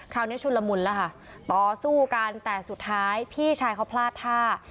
ชุนละมุนแล้วค่ะต่อสู้กันแต่สุดท้ายพี่ชายเขาพลาดท่า